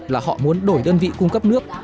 là họ muốn đổi đơn vị cung cấp nước